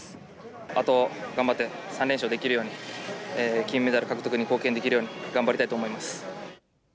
あと頑張って３連勝できるように、金メダル獲得に貢献できるように、頑張りたいと思います。